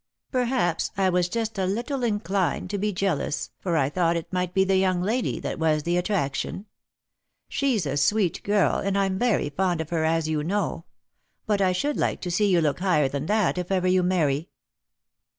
Perhaps I was just a little inclined to be jealous, for I thought it might be the young lady that was the attraction. She's a sweet girl, and I'm very fond of her, as you know ; but I should like to see you look higher than that if ever you marry."